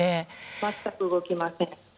全く動きません。